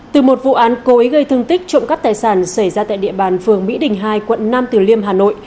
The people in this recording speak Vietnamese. từ một vụ án cố ý gây thương tích trộm cắp tài sản xảy ra tại địa bàn phường mỹ đình hai quận nam tử liêm hà nội